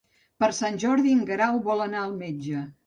Per Sant Jordi en Guerau vol anar al metge.